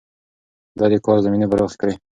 ده د کار زمينې پراخې کړې.